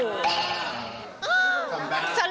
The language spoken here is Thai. ว้าว